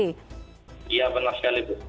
iya benar sekali bu